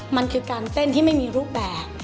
มันคือการเต้นที่ไม่มีรูปแบบ